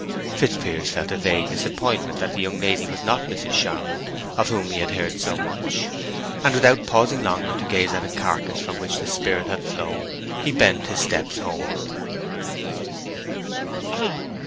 Fitzpiers felt a vague disappointment that the young lady was not Mrs. Charmond, of whom he had heard so much; and without pausing longer to gaze at a carcass from which the spirit had flown, he bent his steps homeward.